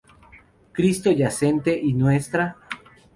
Cristo Yacente y Ntra.